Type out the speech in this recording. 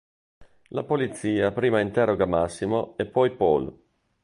La polizia prima interroga Massimo e poi Paul.